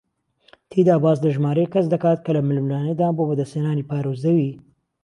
تێیدا باس لە ژمارەیەک کەس دەکات کە لە ململانێدان بۆ بەدەستهێنانی پارە و زەوی